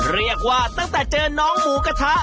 เรียกว่าตั้งแต่เจอน้องหมูกระทะ